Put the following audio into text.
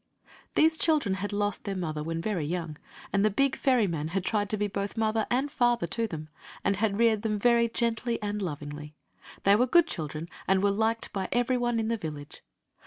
These children had lost their mother when very young, and the big ferryman had tried to be both mother and father to them, and had reared them very gently and lovingly. They were good children, and were liked by every one in the village.